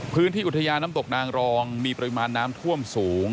อุทยาน้ำตกนางรองมีปริมาณน้ำท่วมสูง